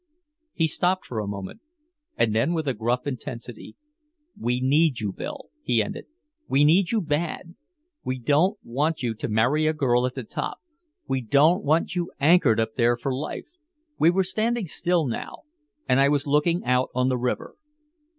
He stopped for a moment, and then with a gruff intensity: "We need you, Bill," he ended. "We need you bad. We don't want you to marry a girl at the top. We don't want you anchored up there for life." We were standing still now, and I was looking out on the river.